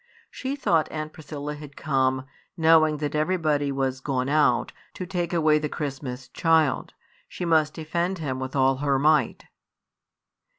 She thought Aunt Priscilla had come, knowing that everybody was gone out, to take away the Christmas child. She must defend him with all her might.